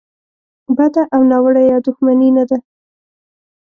بده او ناوړه یا دوښمني نه ده.